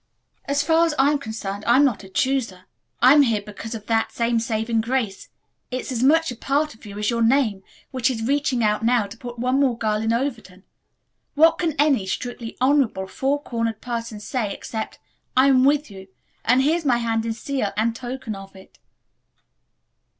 "As far as I am concerned I'm not a 'chooser.' I'm here because of that same saving grace it's as much a part of you as your name which is reaching out now to put one more girl in Overton. What can any strictly honorable, four cornered person say except, 'I'm with you,' and here's my hand in seal and token of it."